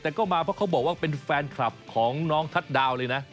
ด้วยการเป็นแฟนคลับของน้องทัชดาวเลยนะ